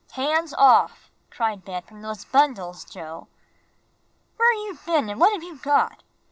"Hands off," cried Ben, "from those bundles, Joe!" "Where've you been, and what've you got?"